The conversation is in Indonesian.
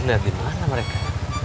lihat di mana mereka